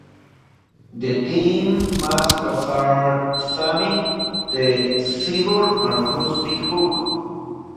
The team mascots are Sammy the Seagull and Rusty Hook.